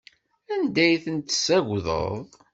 Anda ay ten-tessagdeḍ?